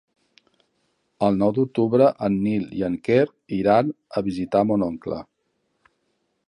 El nou d'octubre en Nil i en Quer iran a visitar mon oncle.